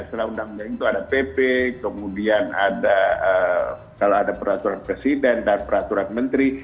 setelah undang undang itu ada pp kemudian ada kalau ada peraturan presiden dan peraturan menteri